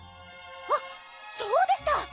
あっそうでした！